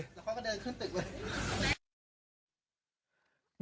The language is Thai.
แล้วเขาก็เดินขึ้นตึกเลย